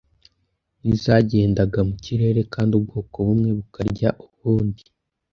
n’izagendaga mu kirere kandi ubwoko bumwe bukarya ubundi